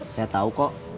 saya tahu kok